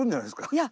いや。